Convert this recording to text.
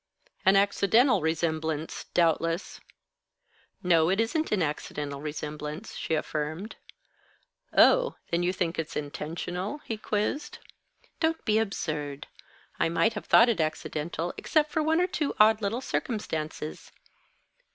"An accidental resemblance, doubtless." "No, it isn't an accidental resemblance," she affirmed. "Oh, then you think it's intentional?" he quizzed. "Don't be absurd. I might have thought it accidental, except for one or two odd little circumstances.